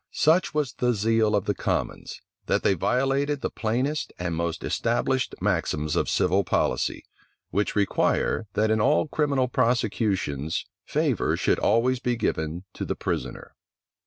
Such was the zeal of the commons, that they violated the plainest and most established maxims of civil policy, which require that in all criminal prosecutions favor should always be given to the prisoner.